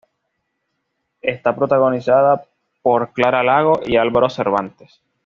Está protagonizada por Clara Lago y Álvaro Cervantes.